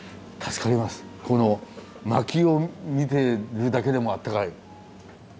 このまきを見てるだけでもあったかい。